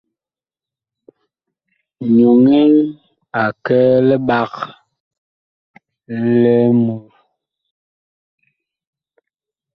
Nyɔnɛ a kɛ liɓag li ŋmu.